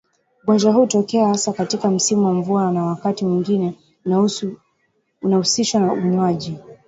Ugonjwa huu hutokea hasa katika msimu wa mvua na wakati mwingine unahusishwa na unywaji